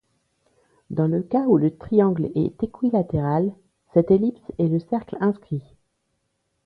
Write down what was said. Dans le cas où le triangle est équilatéral, cette ellipse est le cercle inscrit.